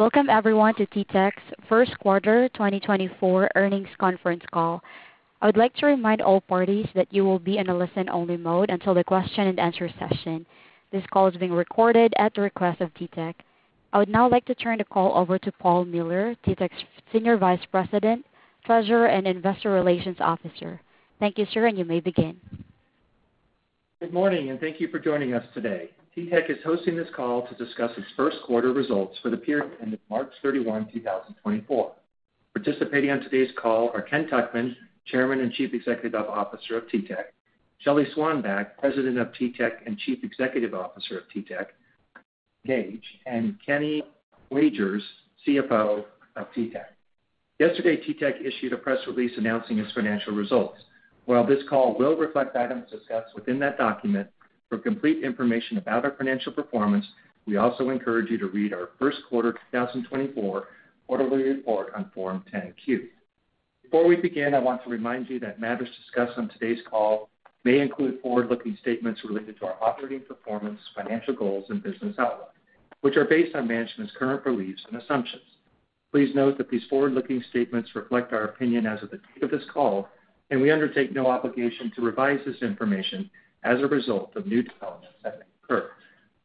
Welcome, everyone, to TTEC's first quarter 2024 earnings conference call. I would like to remind all parties that you will be in a listen-only mode until the question-and-answer session. This call is being recorded at the request of TTEC. I would now like to turn the call over to Paul Miller, TTEC's Senior Vice President, Treasurer, and Investor Relations Officer. Thank you, sir, and you may begin. Good morning, and thank you for joining us today. TTEC is hosting this call to discuss its first quarter results for the period ended March 31, 2024. Participating on today's call are Ken Tuchman, Chairman and Chief Executive Officer of TTEC; Shelly Swanback, President of TTEC and Chief Executive Officer of TTEC Engage; and Kenny Wagers, CFO of TTEC. Yesterday, TTEC issued a press release announcing its financial results. While this call will reflect items discussed within that document, for complete information about our financial performance, we also encourage you to read our first quarter 2024 quarterly report on Form 10-Q. Before we begin, I want to remind you that matters discussed on today's call may include forward-looking statements related to our operating performance, financial goals, and business outlook, which are based on management's current beliefs and assumptions. Please note that these forward-looking statements reflect our opinion as of the date of this call, and we undertake no obligation to revise this information as a result of new developments that may occur.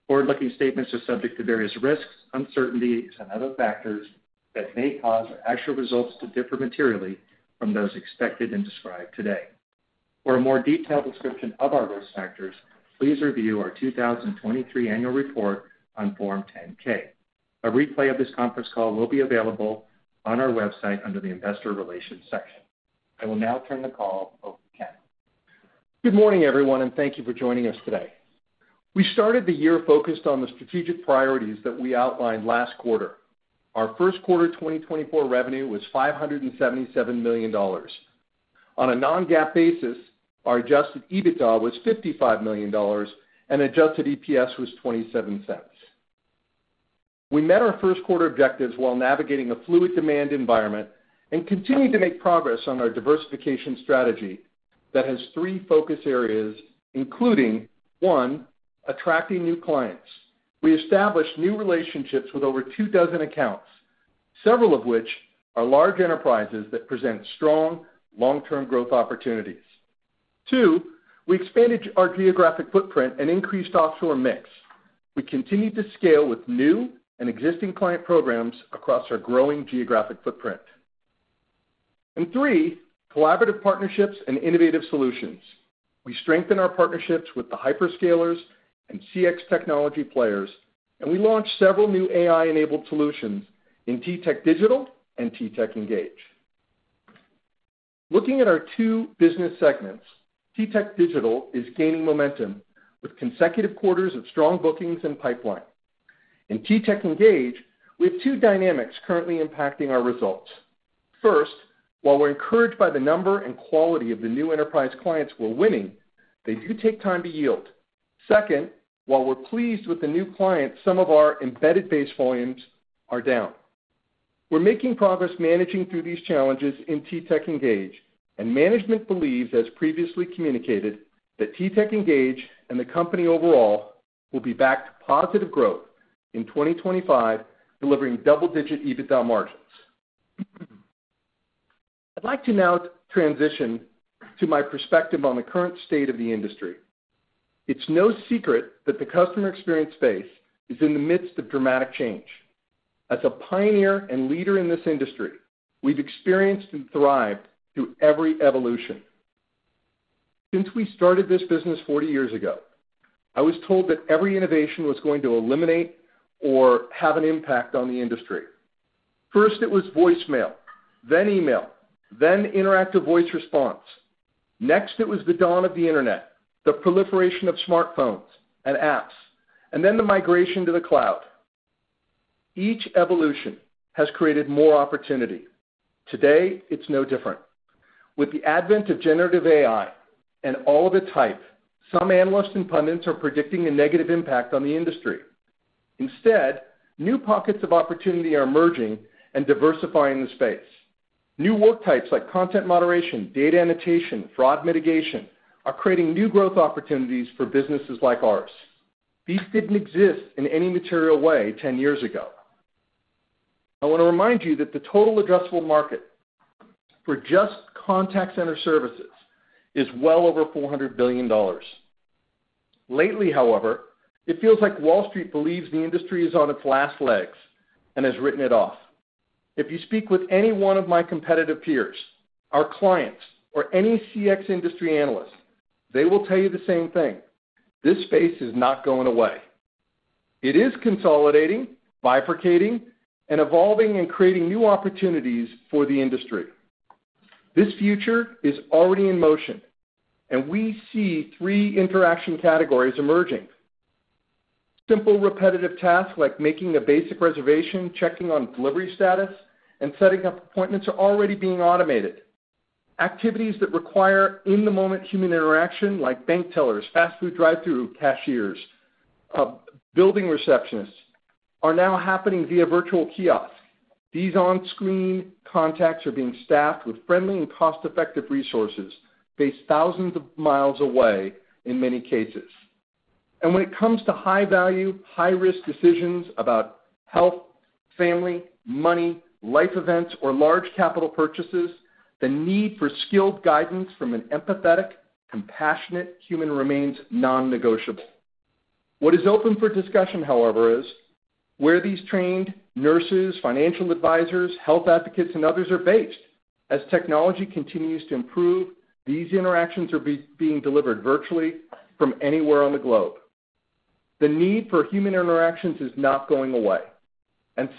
Forward-looking statements are subject to various risks, uncertainties, and other factors that may cause our actual results to differ materially from those expected and described today. For a more detailed description of our risk factors, please review our 2023 annual report on Form 10-K. A replay of this conference call will be available on our website under the Investor Relations section. I will now turn the call over to Ken. Good morning, everyone, and thank you for joining us today. We started the year focused on the strategic priorities that we outlined last quarter. Our first quarter 2024 revenue was $577 million. On a non-GAAP basis, our adjusted EBITDA was $55 million, and adjusted EPS was 0.27. We met our first quarter objectives while navigating a fluid demand environment and continue to make progress on our diversification strategy that has three focus areas, including: One, attracting new clients. We established new relationships with over two dozen accounts, several of which are large enterprises that present strong long-term growth opportunities. Two, we expanded our geographic footprint and increased offshore mix. We continue to scale with new and existing client programs across our growing geographic footprint. And three, collaborative partnerships and innovative solutions. We strengthen our partnerships with the hyperscalers and CX technology players, and we launched several new AI-enabled solutions in TTEC Digital and TTEC Engage. Looking at our two business segments, TTEC Digital is gaining momentum with consecutive quarters of strong bookings and pipeline. In TTEC Engage, we have two dynamics currently impacting our results. First, while we're encouraged by the number and quality of the new enterprise clients we're winning, they do take time to yield. Second, while we're pleased with the new clients, some of our embedded base volumes are down. We're making progress managing through these challenges in TTEC Engage, and management believes, as previously communicated, that TTEC Engage and the company overall will be back to positive growth in 2025, delivering double-digit EBITDA margins. I'd like to now transition to my perspective on the current state of the industry. It's no secret that the customer experience space is in the midst of dramatic change. As a pioneer and leader in this industry, we've experienced and thrived through every evolution. Since we started this business 40 years ago, I was told that every innovation was going to eliminate or have an impact on the industry. First, it was voicemail, then email, then interactive voice response. Next, it was the dawn of the internet, the proliferation of smartphones and apps, and then the migration to the cloud. Each evolution has created more opportunity. Today, it's no different. With the advent of generative AI and all of its hype, some analysts and pundits are predicting a negative impact on the industry. Instead, new pockets of opportunity are emerging and diversifying the space. New work types like content moderation, data annotation, and fraud mitigation are creating new growth opportunities for businesses like ours. These didn't exist in any material way 10 years ago. I want to remind you that the total addressable market for just contact center services is well over $400 billion. Lately, however, it feels like Wall Street believes the industry is on its last legs and has written it off. If you speak with any one of my competitive peers, our clients, or any CX industry analyst, they will tell you the same thing: this space is not going away. It is consolidating, bifurcating, and evolving and creating new opportunities for the industry. This future is already in motion, and we see three interaction categories emerging. Simple repetitive tasks like making a basic reservation, checking on delivery status, and setting up appointments are already being automated. Activities that require in-the-moment human interaction, like bank tellers, fast-food drive-through cashiers, building receptionists, are now happening via virtual kiosks. These on-screen contacts are being staffed with friendly and cost-effective resources based thousands of miles away, in many cases. When it comes to high-value, high-risk decisions about health, family, money, life events, or large capital purchases, the need for skilled guidance from an empathetic, compassionate human remains non-negotiable. What is open for discussion, however, is where these trained nurses, financial advisors, health advocates, and others are based. As technology continues to improve, these interactions are being delivered virtually from anywhere on the globe. The need for human interactions is not going away.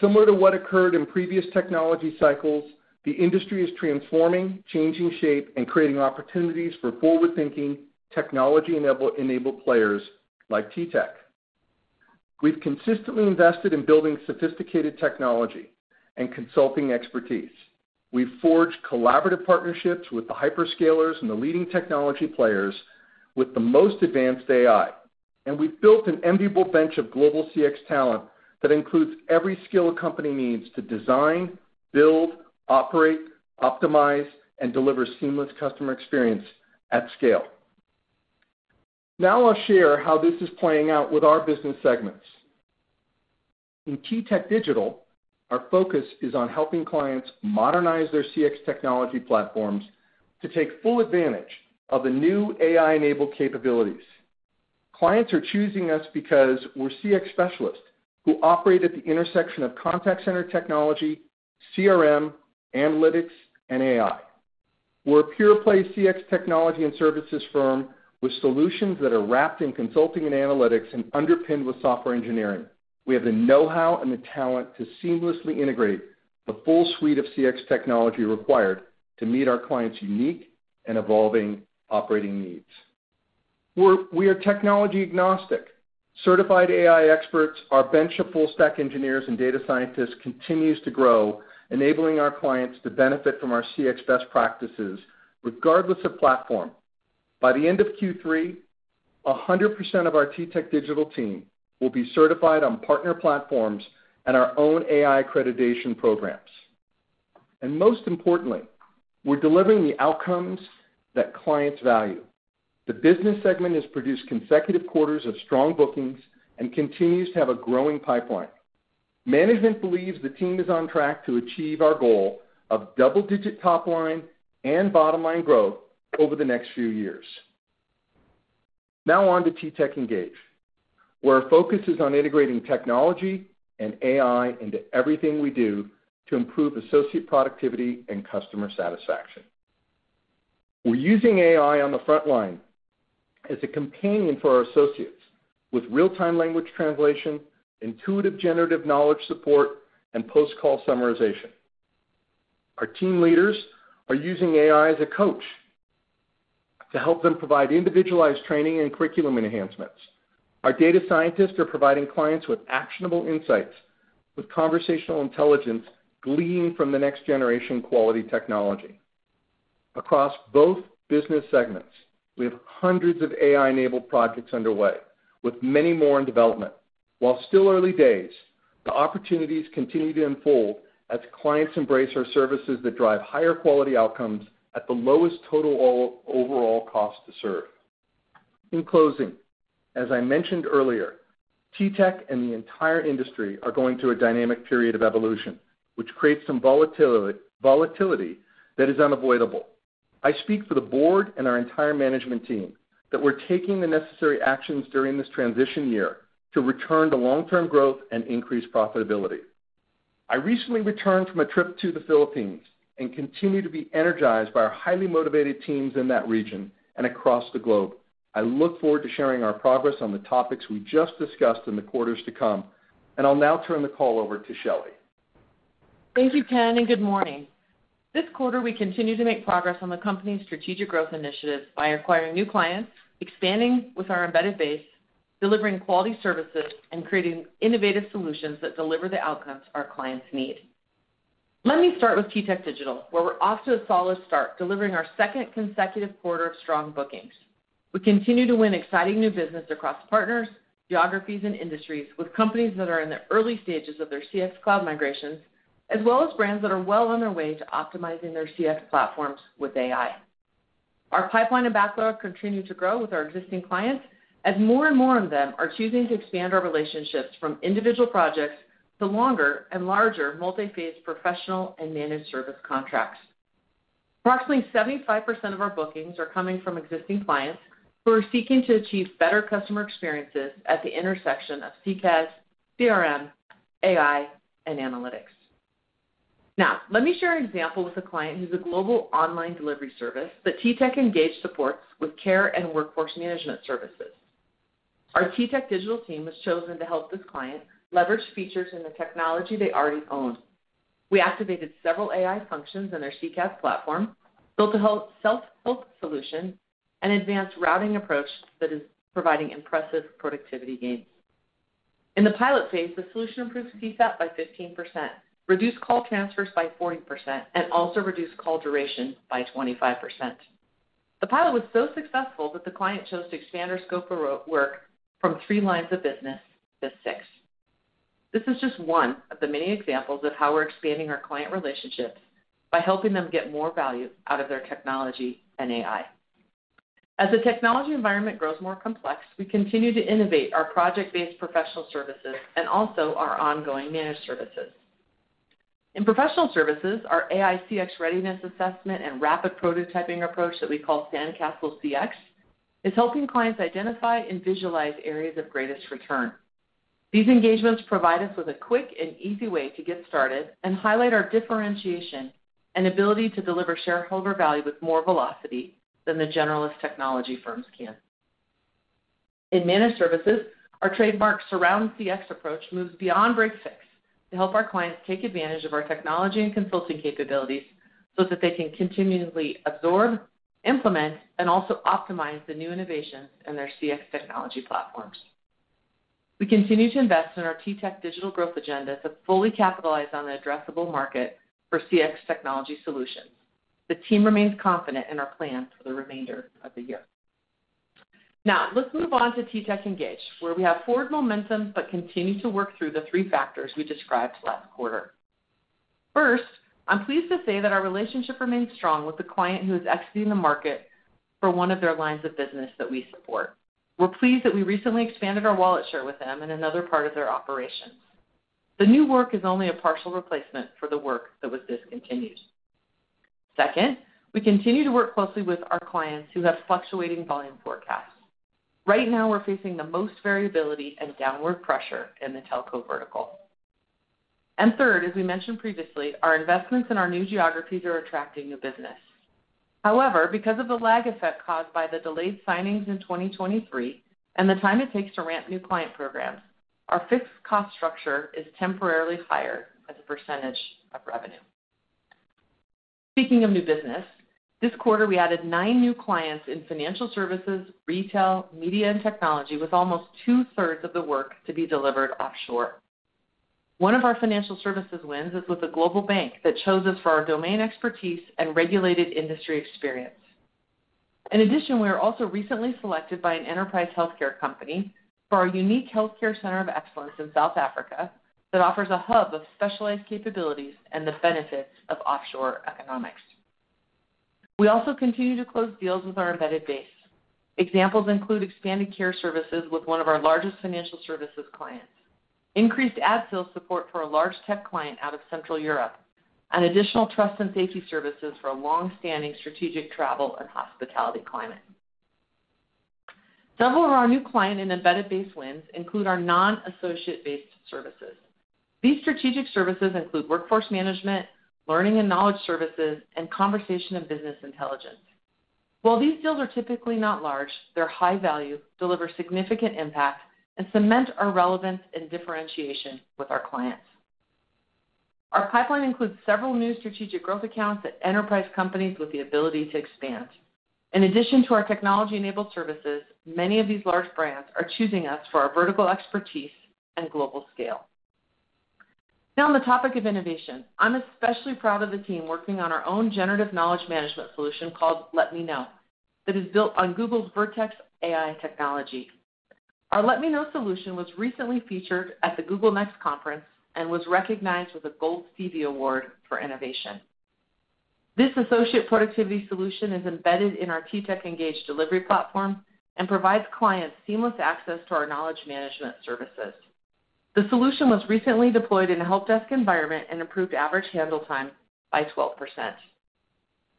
Similar to what occurred in previous technology cycles, the industry is transforming, changing shape, and creating opportunities for forward-thinking, technology-enabled players like TTEC. We've consistently invested in building sophisticated technology and consulting expertise. We've forged collaborative partnerships with the hyperscalers and the leading technology players with the most advanced AI, and we've built an enviable bench of global CX talent that includes every skill a company needs to design, build, operate, optimize, and deliver seamless customer experience at scale. Now I'll share how this is playing out with our business segments. In TTEC Digital, our focus is on helping clients modernize their CX technology platforms to take full advantage of the new AI-enabled capabilities. Clients are choosing us because we're CX specialists who operate at the intersection of contact center technology, CRM, analytics, and AI. We're a pure-play CX technology and services firm with solutions that are wrapped in consulting and analytics and underpinned with software engineering. We have the know-how and the talent to seamlessly integrate the full suite of CX technology required to meet our clients' unique and evolving operating needs. We are technology-agnostic. Certified AI experts, our bench of full-stack engineers, and data scientists continues to grow, enabling our clients to benefit from our CX best practices regardless of platform. By the end of Q3, 100% of our TTEC Digital team will be certified on partner platforms and our own AI accreditation programs. Most importantly, we're delivering the outcomes that clients value. The business segment has produced consecutive quarters of strong bookings and continues to have a growing pipeline. Management believes the team is on track to achieve our goal of double-digit top-line and bottom-line growth over the next few years. Now on to TTEC Engage, where our focus is on integrating technology and AI into everything we do to improve associate productivity and customer satisfaction. We're using AI on the front line as a companion for our associates, with real-time language translation, intuitive generative knowledge support, and post-call summarization. Our team leaders are using AI as a coach to help them provide individualized training and curriculum enhancements. Our data scientists are providing clients with actionable insights, with conversational intelligence gleaning from the next-generation quality technology. Across both business segments, we have hundreds of AI-enabled projects underway, with many more in development. While still early days, the opportunities continue to unfold as clients embrace our services that drive higher quality outcomes at the lowest total overall cost to serve. In closing, as I mentioned earlier, TTEC and the entire industry are going through a dynamic period of evolution, which creates some volatility that is unavoidable. I speak for the board and our entire management team that we're taking the necessary actions during this transition year to return to long-term growth and increased profitability. I recently returned from a trip to the Philippines and continue to be energized by our highly motivated teams in that region and across the globe. I look forward to sharing our progress on the topics we just discussed in the quarters to come, and I'll now turn the call over to Shelly. Thank you, Ken, and good morning. This quarter, we continue to make progress on the company's strategic growth initiatives by acquiring new clients, expanding with our embedded base, delivering quality services, and creating innovative solutions that deliver the outcomes our clients need. Let me start with TTEC Digital, where we're off to a solid start delivering our second consecutive quarter of strong bookings. We continue to win exciting new business across partners, geographies, and industries, with companies that are in the early stages of their CX cloud migrations, as well as brands that are well on their way to optimizing their CX platforms with AI. Our pipeline and backlog continue to grow with our existing clients as more and more of them are choosing to expand our relationships from individual projects to longer and larger multi-phase professional and managed service contracts. Approximately 75% of our bookings are coming from existing clients who are seeking to achieve better customer experiences at the intersection of CCaaS, CRM, AI, and analytics. Now, let me share an example with a client who's a global online delivery service that TTEC Engage supports with care and workforce management services. Our TTEC Digital team was chosen to help this client leverage features in the technology they already own. We activated several AI functions in their CCaaS platform, built a self-help solution, and advanced routing approaches that are providing impressive productivity gains. In the pilot phase, the solution improved CSAT by 15%, reduced call transfers by 40%, and also reduced call duration by 25%. The pilot was so successful that the client chose to expand their scope of work from three lines of business to six. This is just one of the many examples of how we're expanding our client relationships by helping them get more value out of their technology and AI. As the technology environment grows more complex, we continue to innovate our project-based professional services and also our ongoing managed services. In professional services, our AI CX readiness assessment and rapid prototyping approach that we call SandcastleCX is helping clients identify and visualize areas of greatest return. These engagements provide us with a quick and easy way to get started and highlight our differentiation and ability to deliver shareholder value with more velocity than the generalist technology firms can. In managed services, our trademark SurroundCX approach moves beyond break-fix to help our clients take advantage of our technology and consulting capabilities so that they can continually absorb, implement, and also optimize the new innovations in their CX technology platforms. We continue to invest in our TTEC Digital growth agenda to fully capitalize on the addressable market for CX technology solutions. The team remains confident in our plans for the remainder of the year. Now, let's move on to TTEC Engage, where we have forward momentum but continue to work through the three factors we described last quarter. First, I'm pleased to say that our relationship remains strong with the client who is exiting the market for one of their lines of business that we support. We're pleased that we recently expanded our wallet share with them in another part of their operations. The new work is only a partial replacement for the work that was discontinued. Second, we continue to work closely with our clients who have fluctuating volume forecasts. Right now, we're facing the most variability and downward pressure in the telco vertical. Third, as we mentioned previously, our investments in our new geographies are attracting new business. However, because of the lag effect caused by the delayed signings in 2023 and the time it takes to ramp new client programs, our fixed cost structure is temporarily higher as a percentage of revenue. Speaking of new business, this quarter, we added nine new clients in financial services, retail, media, and technology with almost 2/3 of the work to be delivered offshore. One of our financial services wins is with a global bank that chose us for our domain expertise and regulated industry experience. In addition, we were also recently selected by an enterprise healthcare company for our unique healthcare center of excellence in South Africa that offers a hub of specialized capabilities and the benefits of offshore economics. We also continue to close deals with our embedded base. Examples include expanded care services with one of our largest financial services clients, increased ad sales support for a large tech client out of Central Europe, and additional trust and safety services for a longstanding strategic travel and hospitality client. Several of our new client and embedded base wins include our non-associate-based services. These strategic services include workforce management, learning and knowledge services, and conversation and business intelligence. While these deals are typically not large, they're high value, deliver significant impact, and cement our relevance and differentiation with our clients. Our pipeline includes several new strategic growth accounts at enterprise companies with the ability to expand. In addition to our technology-enabled services, many of these large brands are choosing us for our vertical expertise and global scale. Now, on the topic of innovation, I'm especially proud of the team working on our own generative knowledge management solution called Let Me Know that is built on Google's Vertex AI technology. Our Let Me Know solution was recently featured at the Google Next conference and was recognized with a Gold Stevie Award for innovation. This associate productivity solution is embedded in our TTEC Engage delivery platform and provides clients seamless access to our knowledge management services. The solution was recently deployed in a helpdesk environment and improved average handle time by 12%.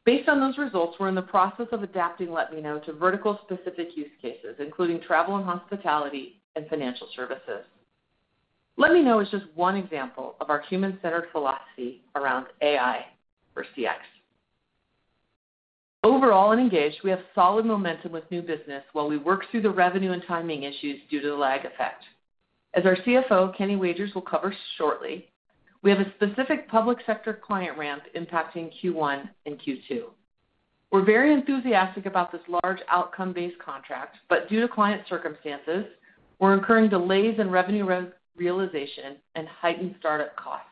Based on those results, we're in the process of adapting Let Me Know to vertical-specific use cases, including travel and hospitality and financial services. Let Me Know is just one example of our human-centered philosophy around AI for CX. Overall in Engage, we have solid momentum with new business while we work through the revenue and timing issues due to the lag effect. As our CFO, Kenny Wagers, will cover shortly, we have a specific public sector client ramp impacting Q1 and Q2. We're very enthusiastic about this large outcome-based contract, but due to client circumstances, we're incurring delays in revenue realization and heightened startup costs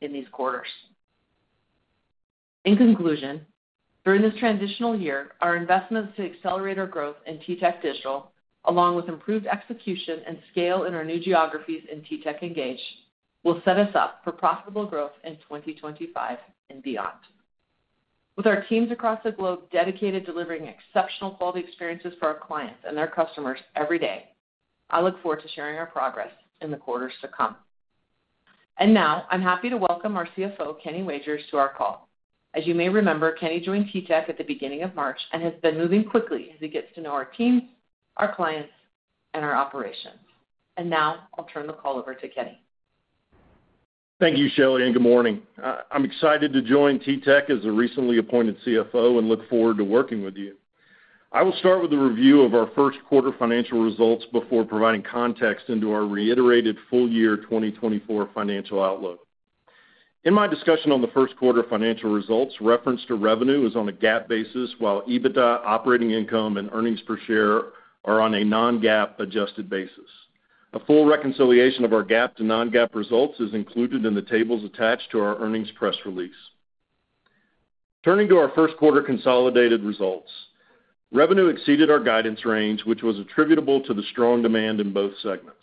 in these quarters. In conclusion, during this transitional year, our investments to accelerate our growth in TTEC Digital, along with improved execution and scale in our new geographies in TTEC Engage, will set us up for profitable growth in 2025 and beyond. With our teams across the globe dedicated to delivering exceptional quality experiences for our clients and their customers every day, I look forward to sharing our progress in the quarters to come. And now, I'm happy to welcome our CFO, Kenny Wagers, to our call. As you may remember, Kenny joined TTEC at the beginning of March and has been moving quickly as he gets to know our teams, our clients, and our operations. And now, I'll turn the call over to Kenny. Thank you, Shelly, and good morning. I'm excited to join TTEC as a recently appointed CFO and look forward to working with you. I will start with a review of our first quarter financial results before providing context into our reiterated full-year 2024 financial outlook. In my discussion on the first quarter financial results, reference to revenue is on a GAAP basis while EBITDA, operating income, and earnings per share are on a non-GAAP adjusted basis. A full reconciliation of our GAAP to non-GAAP results is included in the tables attached to our earnings press release. Turning to our first quarter consolidated results, revenue exceeded our guidance range, which was attributable to the strong demand in both segments.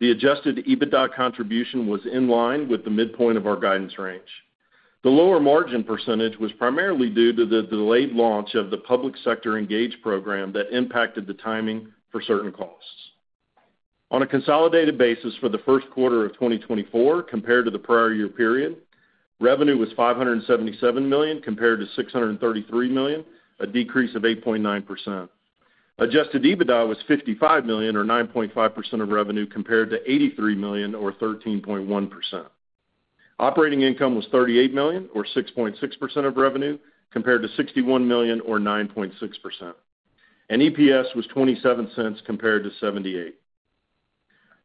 The adjusted EBITDA contribution was in line with the midpoint of our guidance range. The lower margin percentage was primarily due to the delayed launch of the public sector Engage program that impacted the timing for certain costs. On a consolidated basis for the first quarter of 2024 compared to the prior year period, revenue was $577 million compared to $633 million, a decrease of 8.9%. Adjusted EBITDA was $55 million or 9.5% of revenue compared to $83 million or 13.1%. Operating income was $38 million or 6.6% of revenue compared to $61 million or 9.6%, and EPS was $0.27 compared to $0.78.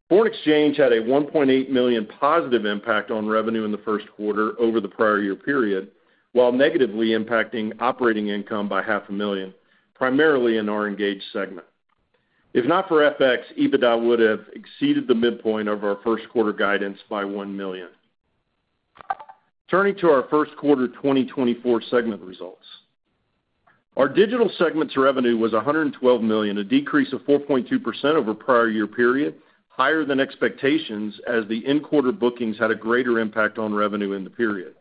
Foreign exchange had a $1.8 million positive impact on revenue in the first quarter over the prior year period while negatively impacting operating income by $500,000, primarily in our Engage segment. If not for FX, EBITDA would have exceeded the midpoint of our first quarter guidance by $1 million. Turning to our first quarter 2024 segment results, our digital segment's revenue was $112 million, a decrease of 4.2% over prior year period, higher than expectations as the end quarter bookings had a greater impact on revenue in the period.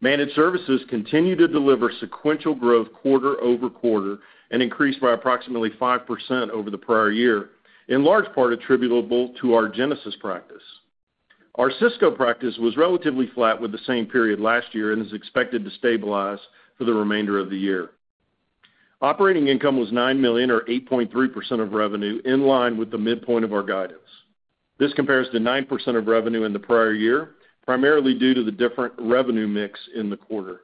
Managed services continue to deliver sequential growth quarter-over-quarter and increased by approximately 5% over the prior year, in large part attributable to our Genesys practice. Our Cisco practice was relatively flat with the same period last year and is expected to stabilize for the remainder of the year. Operating income was $9 million or 8.3% of revenue, in line with the midpoint of our guidance. This compares to 9% of revenue in the prior year, primarily due to the different revenue mix in the quarter.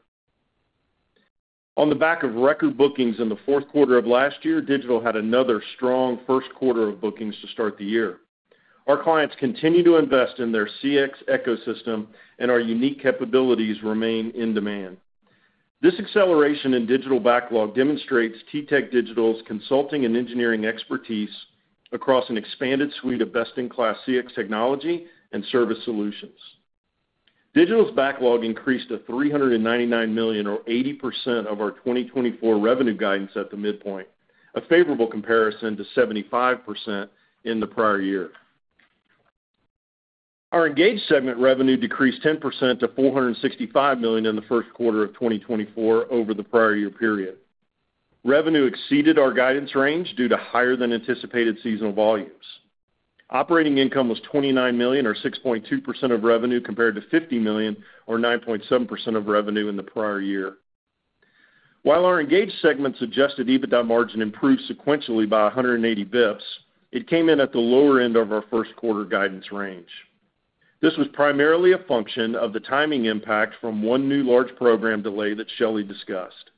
On the back of record bookings in the fourth quarter of last year, Digital had another strong first quarter of bookings to start the year. Our clients continue to invest in their CX ecosystem, and our unique capabilities remain in demand. This acceleration in Digital backlog demonstrates TTEC Digital's consulting and engineering expertise across an expanded suite of best-in-class CX technology and service solutions. Digital's backlog increased to $399 million or 80% of our 2024 revenue guidance at the midpoint, a favorable comparison to 75% in the prior year. Our Engage segment revenue decreased 10% to $465 million in the first quarter of 2024 over the prior year period. Revenue exceeded our guidance range due to higher than anticipated seasonal volumes. Operating income was $29 million or 6.2% of revenue compared to $50 million or 9.7% of revenue in the prior year. While our Engage segment's adjusted EBITDA margin improved sequentially by 180 basis points, it came in at the lower end of our first quarter guidance range. This was primarily a function of the timing impact from one new large program delay that Shelly discussed.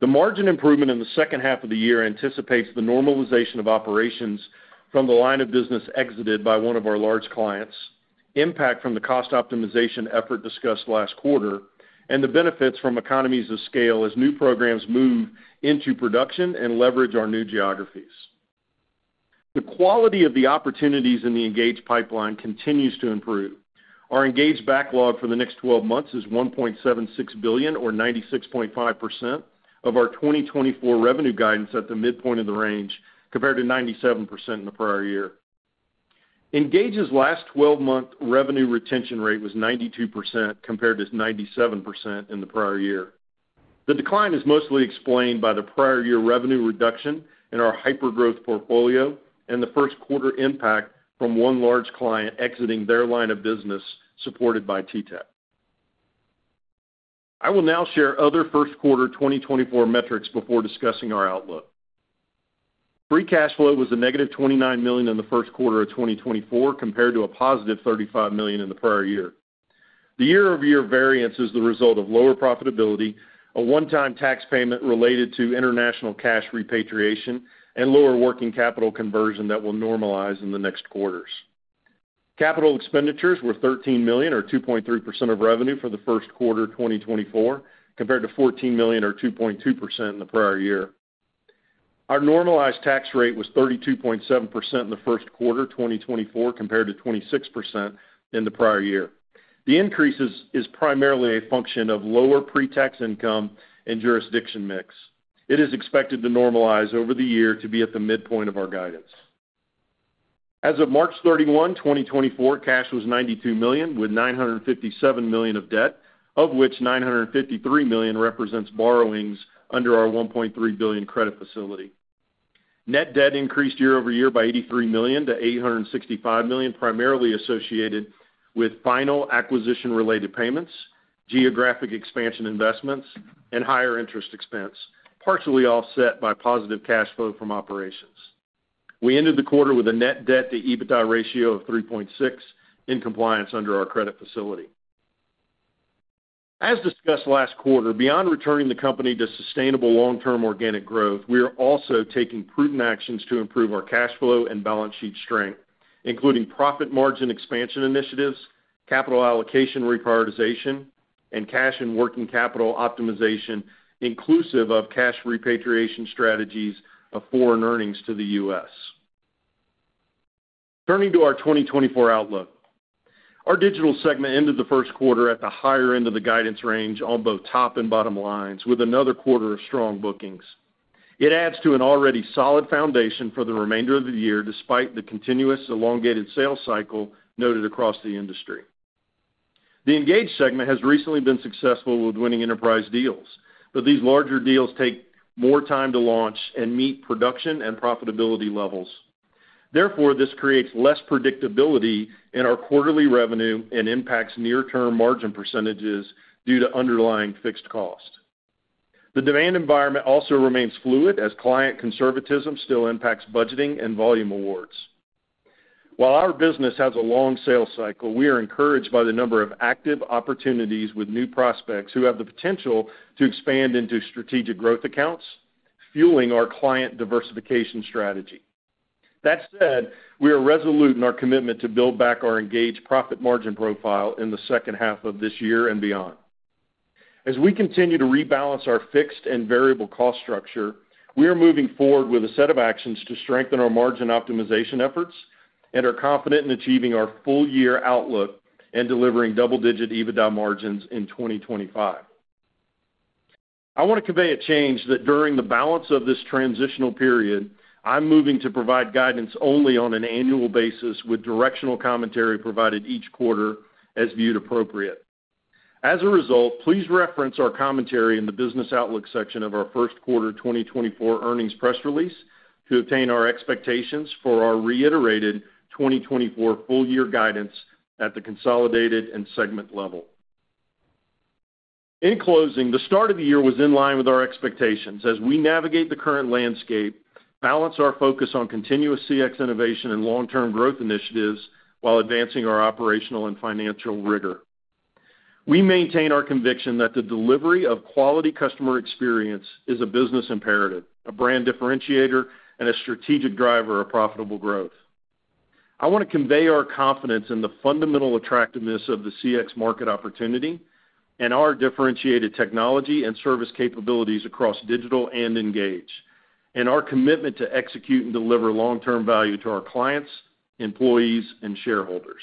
The margin improvement in the second half of the year anticipates the normalization of operations from the line of business exited by one of our large clients, impact from the cost optimization effort discussed last quarter, and the benefits from economies of scale as new programs move into production and leverage our new geographies. The quality of the opportunities in the Engage pipeline continues to improve. Our Engage backlog for the next 12 months is $1.76 billion or 96.5% of our 2024 revenue guidance at the midpoint of the range compared to 97% in the prior year. Engage's last 12-month revenue retention rate was 92% compared to 97% in the prior year. The decline is mostly explained by the prior year revenue reduction in our Hypergrowth portfolio and the first quarter impact from one large client exiting their line of business supported by TTEC. I will now share other first quarter 2024 metrics before discussing our outlook. Free cash flow was -$29 million in the first quarter of 2024 compared to $35 million in the prior year. The year-over-year variance is the result of lower profitability, a one-time tax payment related to international cash repatriation, and lower working capital conversion that will normalize in the next quarters. Capital expenditures were $13 million or 2.3% of revenue for the first quarter 2024 compared to $14 million or 2.2% in the prior year. Our normalized tax rate was 32.7% in the first quarter 2024 compared to 26% in the prior year. The increase is primarily a function of lower pre-tax income and jurisdiction mix. It is expected to normalize over the year to be at the midpoint of our guidance. As of March 31, 2024, cash was $92 million with $957 million of debt, of which $953 million represents borrowings under our $1.3 billion credit facility. Net debt increased year-over-year by $83 million to $865 million, primarily associated with final acquisition-related payments, geographic expansion investments, and higher interest expense, partially offset by positive cash flow from operations. We ended the quarter with a net debt-to-EBITDA ratio of 3.6 in compliance under our credit facility. As discussed last quarter, beyond returning the company to sustainable long-term organic growth, we are also taking prudent actions to improve our cash flow and balance sheet strength, including profit margin expansion initiatives, capital allocation reprioritization, and cash and working capital optimization inclusive of cash repatriation strategies of foreign earnings to the U.S. Turning to our 2024 outlook, our Digital segment ended the first quarter at the higher end of the guidance range on both top and bottom lines with another quarter of strong bookings. It adds to an already solid foundation for the remainder of the year despite the continuous elongated sales cycle noted across the industry. The Engage segment has recently been successful with winning enterprise deals, but these larger deals take more time to launch and meet production and profitability levels. Therefore, this creates less predictability in our quarterly revenue and impacts near-term margin percentages due to underlying fixed cost. The demand environment also remains fluid as client conservatism still impacts budgeting and volume awards. While our business has a long sales cycle, we are encouraged by the number of active opportunities with new prospects who have the potential to expand into strategic growth accounts, fueling our client diversification strategy. That said, we are resolute in our commitment to build back our Engage profit margin profile in the second half of this year and beyond. As we continue to rebalance our fixed and variable cost structure, we are moving forward with a set of actions to strengthen our margin optimization efforts and are confident in achieving our full-year outlook and delivering double-digit EBITDA margins in 2025. I want to convey a change that during the balance of this transitional period, I'm moving to provide guidance only on an annual basis with directional commentary provided each quarter as viewed appropriate. As a result, please reference our commentary in the business outlook section of our first quarter 2024 earnings press release to obtain our expectations for our reiterated 2024 full-year guidance at the consolidated and segment level. In closing, the start of the year was in line with our expectations as we navigate the current landscape, balance our focus on continuous CX innovation and long-term growth initiatives while advancing our operational and financial rigor. We maintain our conviction that the delivery of quality customer experience is a business imperative, a brand differentiator, and a strategic driver of profitable growth. I want to convey our confidence in the fundamental attractiveness of the CX market opportunity and our differentiated technology and service capabilities across Digital and Engage, and our commitment to execute and deliver long-term value to our clients, employees, and shareholders.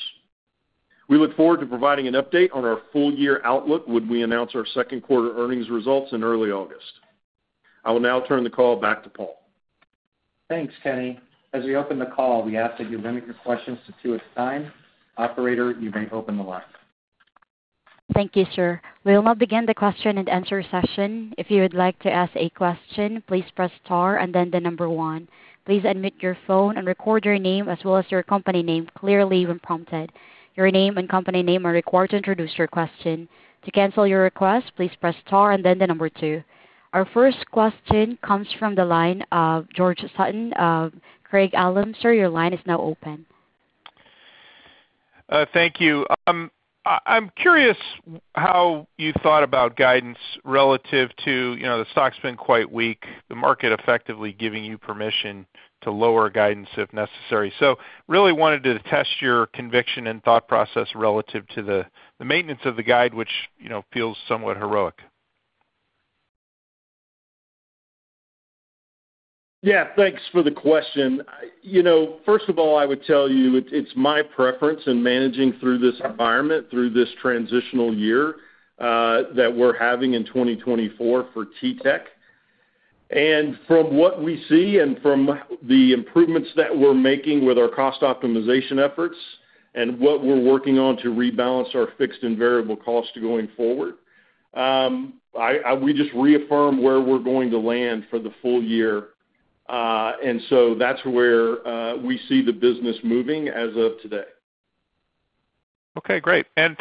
We look forward to providing an update on our full-year outlook when we announce our second quarter earnings results in early August. I will now turn the call back to Paul. Thanks, Kenny. As we open the call, we ask that you limit your questions to two at a time. Operator, you may open the mic. Thank you, sir. We will now begin the question and answer session. If you would like to ask a question, please press star and then the number one. Please unmute your phone and record your name as well as your company name clearly when prompted. Your name and company name are required to introduce your question. To cancel your request, please press star and then the number two. Our first question comes from the line of George Sutton of Craig-Hallum, sir, your line is now open. Thank you. I'm curious how you thought about guidance relative to the stock's been quite weak, the market effectively giving you permission to lower guidance if necessary. So really wanted to test your conviction and thought process relative to the maintenance of the guide, which feels somewhat heroic. Yeah, thanks for the question. First of all, I would tell you it's my preference in managing through this environment, through this transitional year that we're having in 2024 for TTEC. And from what we see and from the improvements that we're making with our cost optimization efforts and what we're working on to rebalance our fixed and variable costs going forward, we just reaffirm where we're going to land for the full year. So that's where we see the business moving as of today. Okay, great. And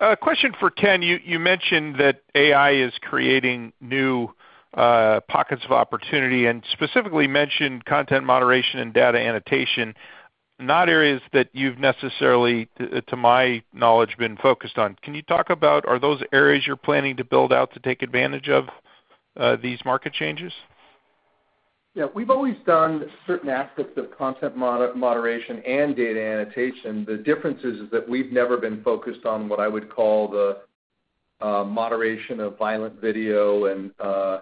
a question for Ken. You mentioned that AI is creating new pockets of opportunity and specifically mentioned content moderation and data annotation, not areas that you've necessarily, to my knowledge, been focused on. Can you talk about are those areas you're planning to build out to take advantage of these market changes? Yeah, we've always done certain aspects of content moderation and data annotation. The difference is that we've never been focused on what I would call the moderation of violent video and the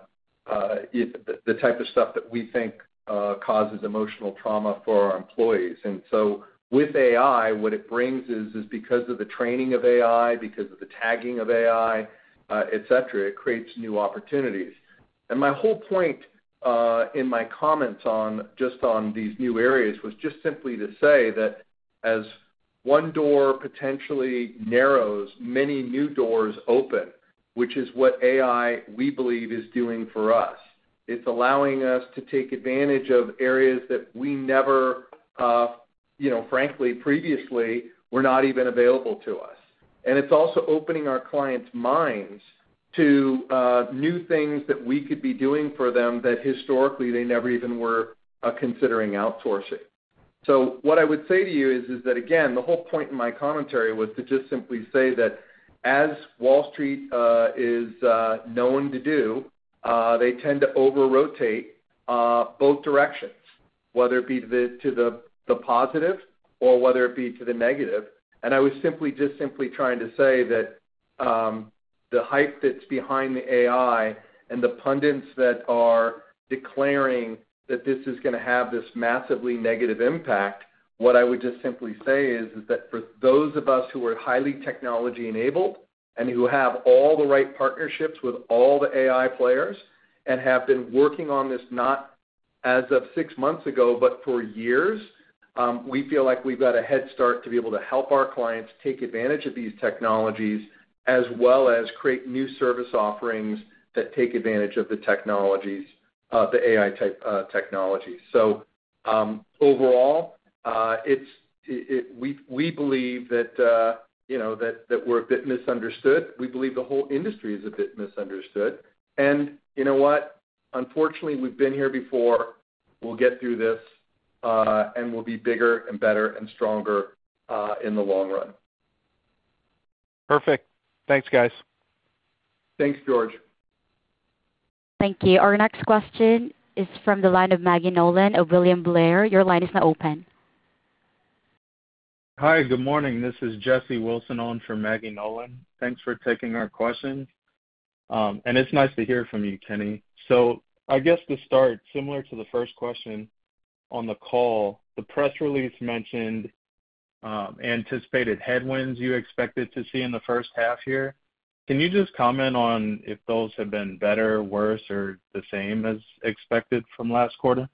type of stuff that we think causes emotional trauma for our employees. And so with AI, what it brings is because of the training of AI, because of the tagging of AI, etc., it creates new opportunities. And my whole point in my comments just on these new areas was just simply to say that as one door potentially narrows, many new doors open, which is what AI we believe is doing for us. It's allowing us to take advantage of areas that we never, frankly, previously were not even available to us. And it's also opening our clients' minds to new things that we could be doing for them that historically they never even were considering outsourcing. What I would say to you is that, again, the whole point in my commentary was to just simply say that as Wall Street is known to do, they tend to over-rotate both directions, whether it be to the positive or whether it be to the negative. I was just simply trying to say that the hype that's behind the AI and the pundits that are declaring that this is going to have this massively negative impact. What I would just simply say is that for those of us who are highly technology-enabled and who have all the right partnerships with all the AI players and have been working on this not as of six months ago, but for years, we feel like we've got a head start to be able to help our clients take advantage of these technologies as well as create new service offerings that take advantage of the AI-type technologies. So overall, we believe that we're a bit misunderstood. We believe the whole industry is a bit misunderstood. And you know what? Unfortunately, we've been here before. We'll get through this, and we'll be bigger and better and stronger in the long run. Perfect. Thanks, guys. Thanks, George. Thank you. Our next question is from the line of Maggie Nolan of William Blair. Your line is now open. Hi, good morning. This is Jesse Wilson on from Maggie Nolan. Thanks for taking our questions. It's nice to hear from you, Kenny. So I guess to start, similar to the first question on the call, the press release mentioned anticipated headwinds you expected to see in the first half here. Can you just comment on if those have been better, worse, or the same as expected from last quarter?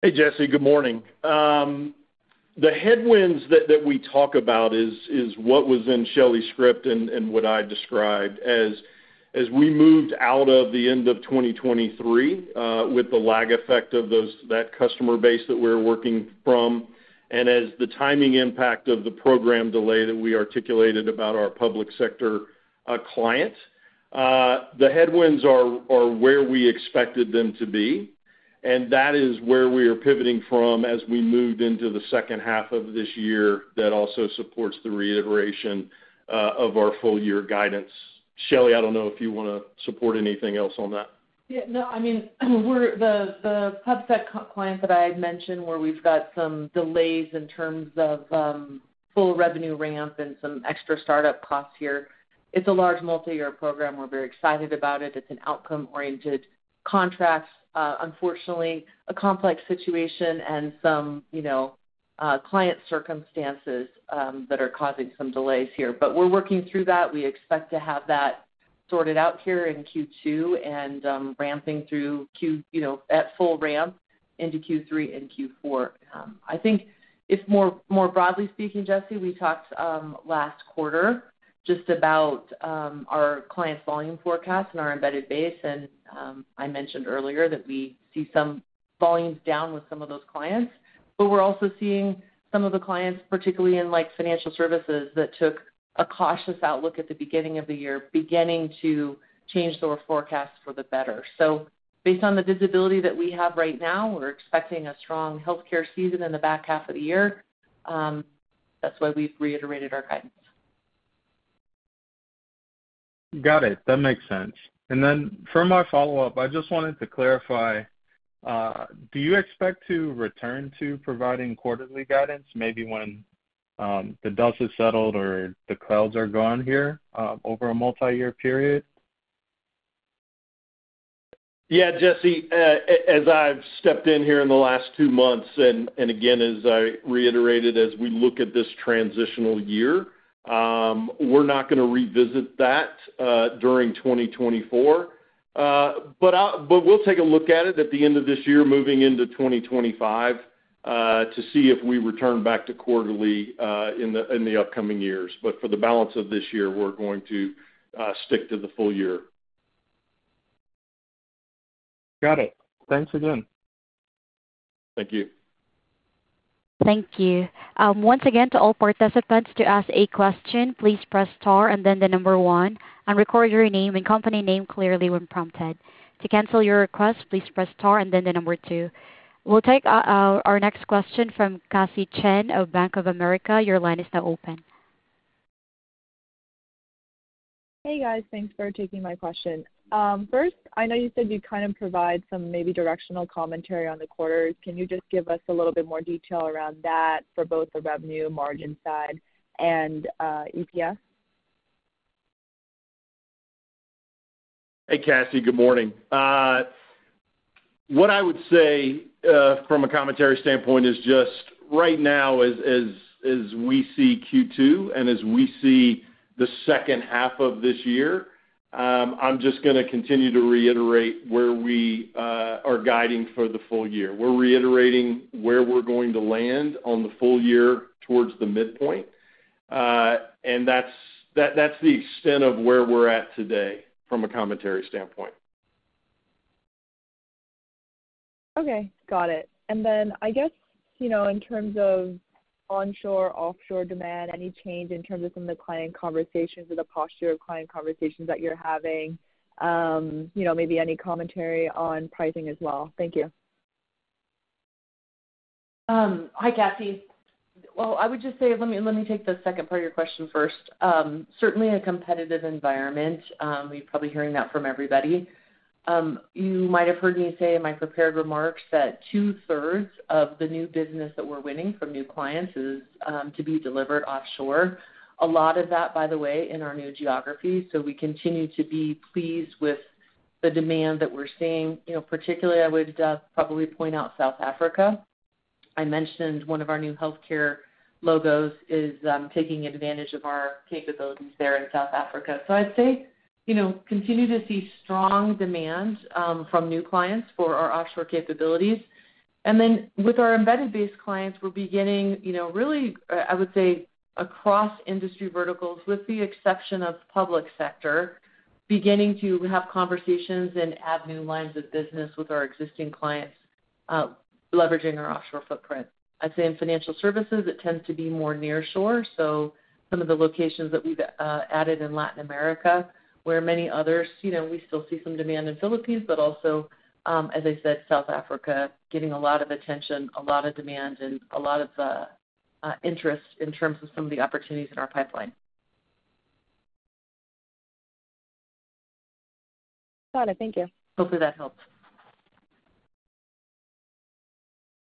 Hey, Jesse. Good morning. The headwinds that we talk about is what was in Shelly's script and what I described. As we moved out of the end of 2023 with the lag effect of that customer base that we're working from and as the timing impact of the program delay that we articulated about our public sector clients, the headwinds are where we expected them to be. That is where we are pivoting from as we moved into the second half of this year that also supports the reiteration of our full-year guidance. Shelly, I don't know if you want to support anything else on that. Yeah. No, I mean, the PubSec client that I had mentioned where we've got some delays in terms of full revenue ramp and some extra startup costs here. It's a large multi-year program. We're very excited about it. It's an outcome-oriented contract. Unfortunately, a complex situation and some client circumstances that are causing some delays here. But we're working through that. We expect to have that sorted out here in Q2 and ramping through at full ramp into Q3 and Q4. I think, more broadly speaking, Jesse, we talked last quarter just about our clients' volume forecast and our embedded base. And I mentioned earlier that we see some volumes down with some of those clients. But we're also seeing some of the clients, particularly in financial services that took a cautious outlook at the beginning of the year, beginning to change their forecasts for the better. Based on the visibility that we have right now, we're expecting a strong healthcare season in the back half of the year. That's why we've reiterated our guidance. Got it. That makes sense. And then for my follow-up, I just wanted to clarify, do you expect to return to providing quarterly guidance, maybe when the dust is settled or the clouds are gone here over a multi-year period? Yeah, Jesse, as I've stepped in here in the last two months and again, as I reiterated, as we look at this transitional year, we're not going to revisit that during 2024. But we'll take a look at it at the end of this year, moving into 2025, to see if we return back to quarterly in the upcoming years. But for the balance of this year, we're going to stick to the full year. Got it. Thanks again. Thank you. Thank you. Once again, to all participants to ask a question, please press star and then one and record your name and company name clearly when prompted. To cancel your request, please press star and then two. We'll take our next question from Cassie Chan of Bank of America. Your line is now open. Hey, guys. Thanks for taking my question. First, I know you said you kind of provide some maybe directional commentary on the quarters. Can you just give us a little bit more detail around that for both the revenue margin side and EPS? Hey, Cassie. Good morning. What I would say from a commentary standpoint is just right now, as we see Q2 and as we see the second half of this year, I'm just going to continue to reiterate where we are guiding for the full year. We're reiterating where we're going to land on the full year towards the midpoint. That's the extent of where we're at today from a commentary standpoint. Okay, got it. And then I guess in terms of onshore, offshore demand, any change in terms of some of the client conversations or the posture of client conversations that you're having, maybe any commentary on pricing as well? Thank you. Hi, Cassie. Well, I would just say let me take the second part of your question first. Certainly, a competitive environment. You're probably hearing that from everybody. You might have heard me say in my prepared remarks that two-thirds of the new business that we're winning from new clients is to be delivered offshore. A lot of that, by the way, in our new geography. So we continue to be pleased with the demand that we're seeing. Particularly, I would probably point out South Africa. I mentioned one of our new healthcare logos is taking advantage of our capabilities there in South Africa. So I'd say continue to see strong demand from new clients for our offshore capabilities. And then with our embedded-based clients, we're beginning really, I would say, across industry verticals, with the exception of public sector, beginning to have conversations and add new lines of business with our existing clients, leveraging our offshore footprint. I'd say in financial services, it tends to be more nearshore. So some of the locations that we've added in Latin America, where many others we still see some demand in Philippines, but also, as I said, South Africa getting a lot of attention, a lot of demand, and a lot of interest in terms of some of the opportunities in our pipeline. Got it. Thank you. Hopefully, that helps.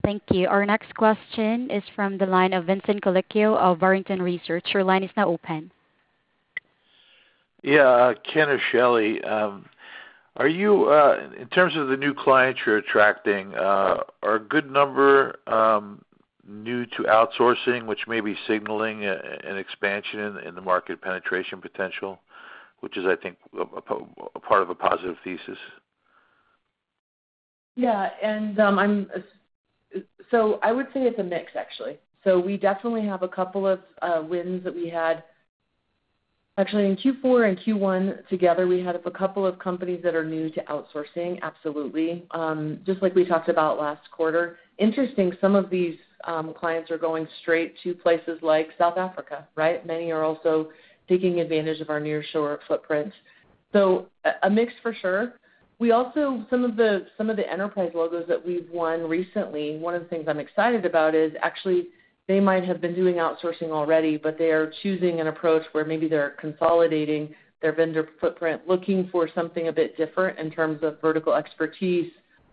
Thank you. Our next question is from the line of Vincent Colicchio of Barrington Research. Your line is now open. Yeah, Ken or Shelly, in terms of the new clients you're attracting, are a good number new to outsourcing, which may be signaling an expansion in the market penetration potential, which is, I think, a part of a positive thesis? Yeah. And so I would say it's a mix, actually. So we definitely have a couple of wins that we had actually, in Q4 and Q1 together, we had a couple of companies that are new to outsourcing, absolutely, just like we talked about last quarter. Interesting, some of these clients are going straight to places like South Africa, right? Many are also taking advantage of our nearshore footprint. So a mix for sure. Some of the enterprise logos that we've won recently, one of the things I'm excited about is actually, they might have been doing outsourcing already, but they are choosing an approach where maybe they're consolidating their vendor footprint, looking for something a bit different in terms of vertical expertise,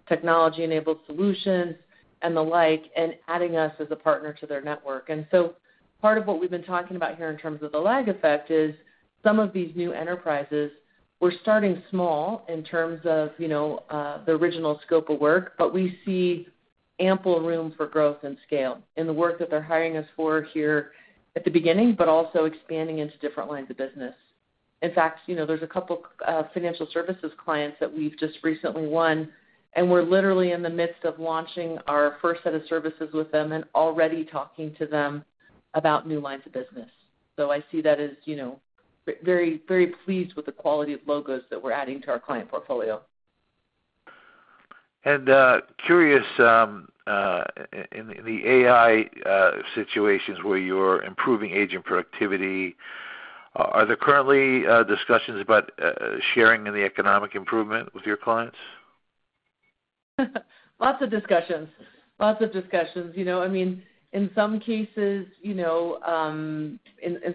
technology-enabled solutions, and the like, and adding us as a partner to their network. So part of what we've been talking about here in terms of the lag effect is some of these new enterprises, we're starting small in terms of the original scope of work, but we see ample room for growth and scale in the work that they're hiring us for here at the beginning, but also expanding into different lines of business. In fact, there's a couple of financial services clients that we've just recently won, and we're literally in the midst of launching our first set of services with them and already talking to them about new lines of business. So I see that as very, very pleased with the quality of logos that we're adding to our client portfolio. Curious, in the AI situations where you're improving agent productivity, are there currently discussions about sharing in the economic improvement with your clients? Lots of discussions. Lots of discussions. I mean, in some cases, in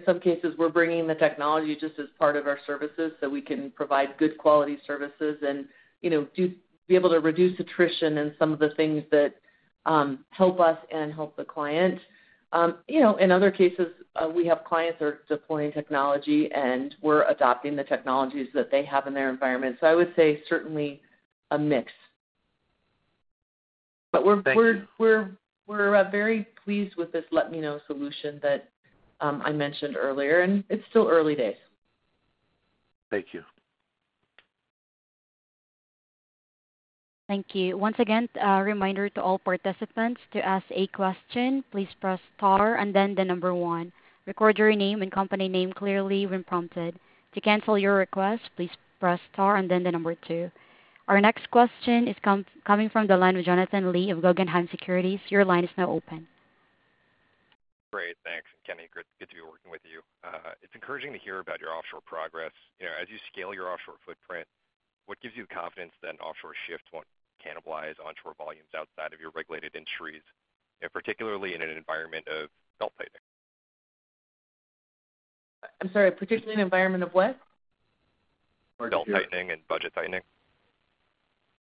some cases, we're bringing the technology just as part of our services so we can provide good quality services and be able to reduce attrition in some of the things that help us and help the client. In other cases, we have clients that are deploying technology, and we're adopting the technologies that they have in their environment. So I would say certainly a mix. But we're very pleased with this Let Me Know solution that I mentioned earlier. And it's still early days. Thank you. Thank you. Once again, a reminder to all participants to ask a question. Please press star and then the number one. Record your name and company name clearly when prompted. To cancel your request, please press star and then the number two. Our next question is coming from the line with Jonathan Lee of Guggenheim Securities. Your line is now open. Great. Thanks, Kenny. Good to be working with you. It's encouraging to hear about your offshore progress. As you scale your offshore footprint, what gives you the confidence that an offshore shift won't cannibalize onshore volumes outside of your regulated industries, particularly in an environment of belt tightening? I'm sorry. Particularly in an environment of what? Belt tightening and budget tightening.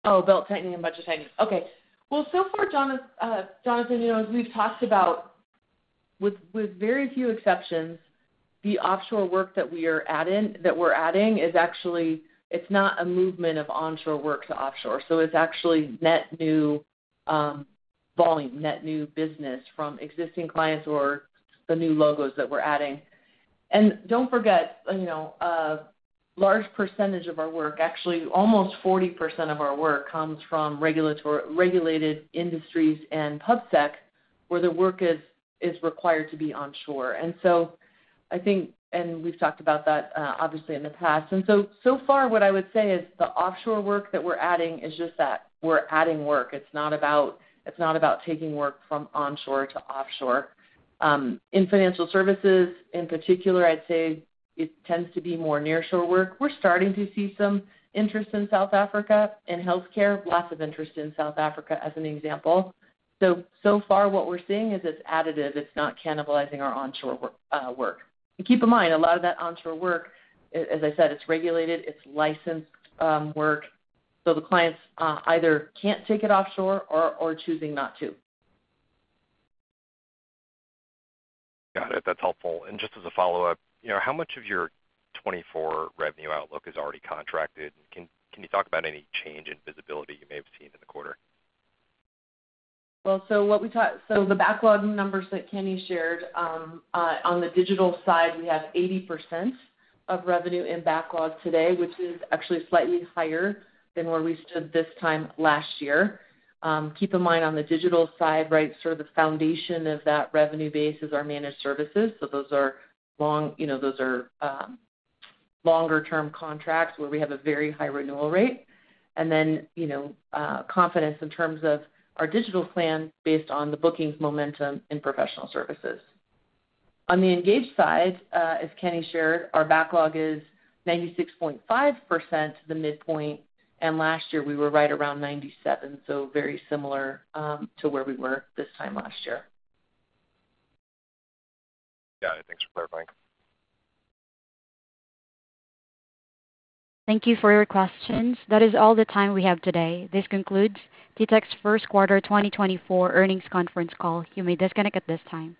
Oh, belt tightening and budget tightening. Okay. Well, so far, Jonathan, as we've talked about, with very few exceptions, the offshore work that we're adding is actually it's not a movement of onshore work to offshore. So it's actually net new volume, net new business from existing clients or the new logos that we're adding. And don't forget, a large percentage of our work, actually almost 40% of our work, comes from regulated industries and PubSec where the work is required to be onshore. And so I think and we've talked about that, obviously, in the past. And so far, what I would say is the offshore work that we're adding is just that we're adding work. It's not about taking work from onshore to offshore. In financial services, in particular, I'd say it tends to be more nearshore work. We're starting to see some interest in South Africa in healthcare, lots of interest in South Africa as an example. So far, what we're seeing is it's additive. It's not cannibalizing our onshore work. And keep in mind, a lot of that onshore work, as I said, it's regulated. It's licensed work. So the clients either can't take it offshore or are choosing not to. Got it. That's helpful. And just as a follow-up, how much of your 2024 revenue outlook is already contracted? Can you talk about any change in visibility you may have seen in the quarter? Well, so what we talked so the backlog numbers that Kenny shared, on the digital side, we have 80% of revenue in backlog today, which is actually slightly higher than where we stood this time last year. Keep in mind, on the digital side, right, sort of the foundation of that revenue base is our managed services. So those are longer-term contracts where we have a very high renewal rate. And then confidence in terms of our digital plan based on the bookings momentum in professional services. On the engaged side, as Kenny shared, our backlog is 96.5% to the midpoint. And last year, we were right around 97%, so very similar to where we were this time last year. Got it. Thanks for clarifying. Thank you for your questions. That is all the time we have today. This concludes TTEC's first quarter 2024 earnings conference call. You may disconnect at this time.